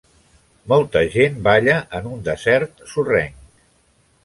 Molta gent balla en un desert sorrenc.